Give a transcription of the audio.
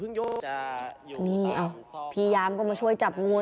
พยายามก็มาช่วยจับงู